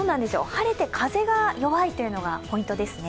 晴れて風が弱いというのがポイントですね。